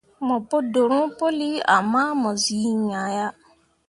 Mo pu dorõo puli ama mo zii iŋya yah.